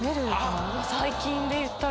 最近でいったら。